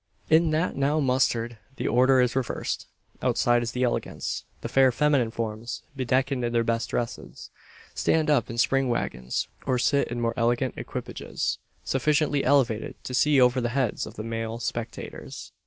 In that now mustered the order is reversed. Outside is the elegance. The fair feminine forms, bedecked in their best dresses, stand up in spring waggons, or sit in more elegant equipages, sufficiently elevated to see over the heads of the male spectators.